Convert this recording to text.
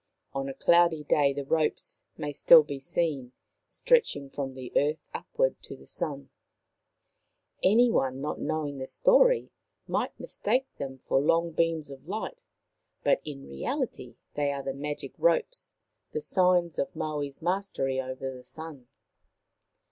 On a cloudy day the ropes may still be seen, stretching from the earth upward to the Sun. Any one not knowing the story might mistake them for long beams of light, but in reality they are the magic ropes, the signs of Maui's mastery over the Sun.